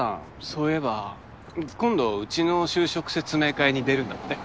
そういえば今度うちの就職説明会に出るんだって？